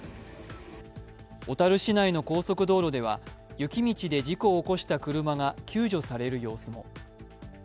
小樽市内の高速道路では雪道で事故を起こした車が救助される様子も。